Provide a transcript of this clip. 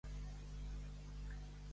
Quin càrrec hauria ocupat Sem?